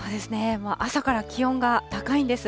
もう朝から気温が高いんです。